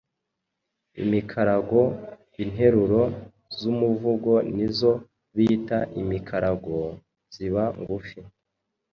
Imikarago Interuro z’umuvugo ni zo bita imikarago, ziba ngufi